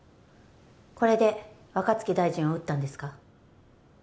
これで若槻大臣を撃ったんですか？